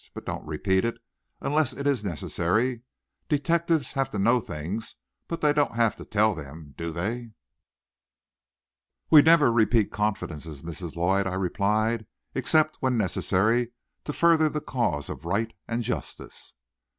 But don't repeat it, unless it is necessary. Detectives have to know things, but they don't have to tell them, do they?" "We never repeat confidences, Miss Lloyd," I replied, "except when necessary to further the cause of right and justice."